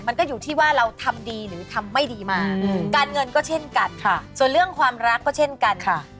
มันก็อยู่ที่ว่าเราทำดีหรือทำไม่ดีมาการเงินก็เช่นกันส่วนเรื่องความรักก็เช่นกันค่ะ